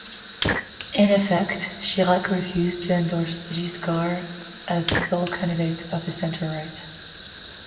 In effect, Chirac refused to endorse Giscard as the sole candidate of the centre-right.